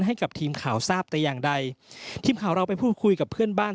ให้กับทีมข่าวทราบแต่อย่างใดทีมข่าวเราไปพูดคุยกับเพื่อนบ้าน